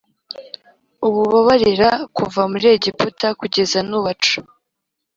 ububabarira kuva muri Egiputa kugeza n’ubacu